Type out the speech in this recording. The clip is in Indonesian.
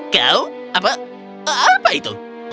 kau apa apa itu